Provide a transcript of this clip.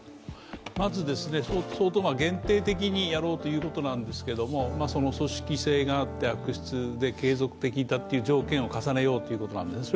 まず相当限定的にやろうということなんですけど、組織性があって悪質で継続的だという条件を重ねようということなんですね。